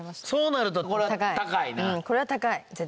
そうなるとこれは高いな。